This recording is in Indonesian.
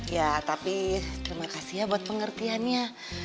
ya tapi terima kasih ya buat pengertiannya